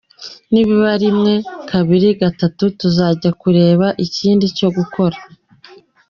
Nibiba rimwe, kabiri, gatatu tuzajya tureba ikindi cyo gukora.